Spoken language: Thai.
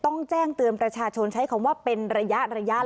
ต้องแจ้งเตือนประชาชนใช้คำว่าเป็นระยะ